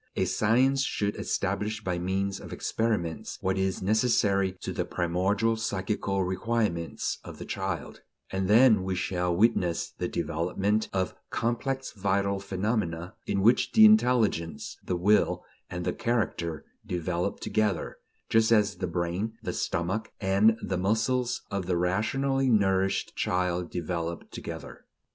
A science should establish by means of experiments what is necessary to the primordial psychical requirements of the child; and then we shall witness the development of complex vital phenomena, in which the intelligence, the will, and the character develop together, just as the brain, the stomach, and the muscles of the rationally nourished child develop together.